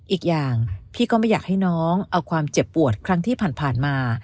อีกอย่างพี่ก็ไม่อยากให้น้องเอาความเจ็บปวดครั้งที่ผ่านมา